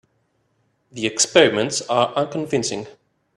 The experiments are unconvincing.